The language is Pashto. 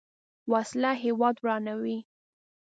وسله هیواد ورانوي